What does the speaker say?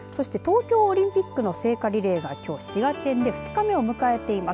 東京オリンピックの聖火リレーがきょう滋賀県で２日目を迎えています。